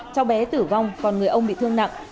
cháu bé tử vong còn người ông bị thương nặng